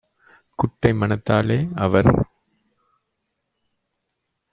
குட்டை மனத்தாலே - அவர்